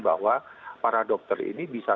bahwa para dokter ini bisa